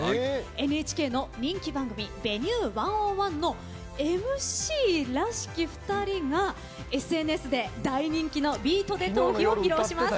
ＮＨＫの人気番組「Ｖｅｎｕｅ１０１」のＭＣらしき２人がＳＮＳで大人気の「ビートＤＥトーヒ」を披露します。